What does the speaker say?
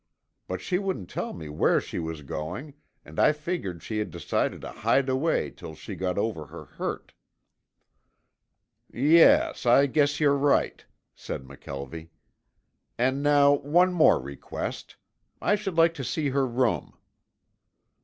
But she wouldn't tell me where she was going, and I figured she had decided to hide away till she got over her hurt." "Yes, I guess you're right," said McKelvie. "And now one more request. I should like to see her room."